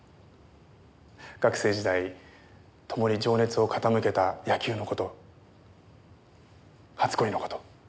学生時代共に情熱を傾けた野球の事初恋の事。